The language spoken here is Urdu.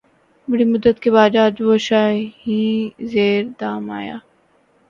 بڑی مدت کے بعد آخر وہ شاہیں زیر دام آیا